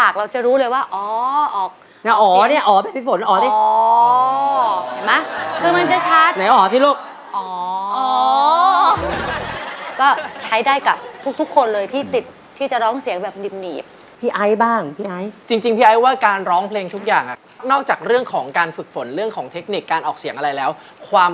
กับผลงานเพลงอะไรครับ